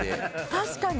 確かに。